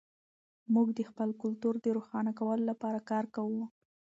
موږ د خپل کلتور د روښانه کولو لپاره کار کوو.